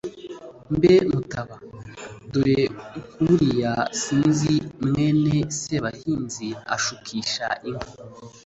mbe mutaba! dore ng'uriya sinzi mwene sebahinzi ashukisha inka!